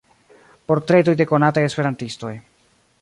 Portretoj de konataj Esperantistoj.